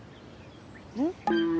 うん？